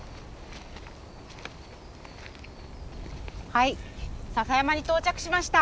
はい笹山に到着しました。